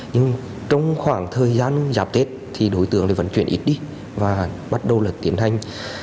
nhưng trong khoảng thời gian dạp tiết đối tượng vẫn chuyển ít đi và bắt đầu tiến hành